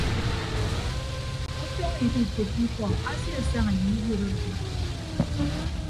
Utọñ idiikoppo ikọ asiesaña ye iwuot ọdʌk udi.